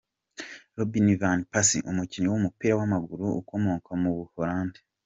Robin van Persie, umukinnyi w’umupira w’amaguru ukomoka mu Buholandi.